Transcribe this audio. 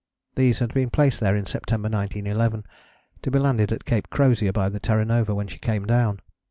These had been placed there in September 1911, to be landed at Cape Crozier by the Terra Nova when she came down.